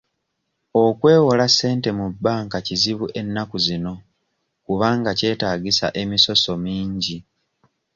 Okwewola ssente mu banka kizibu ennaku zino kubanga kyetaagisa emisoso mingi.